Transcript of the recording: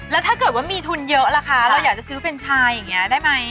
แล้วถ้าเกิดว่ามีทุนเยอะล่ะคะเราอยากจะซื้อเฟรนชายอย่างนี้ได้ไหม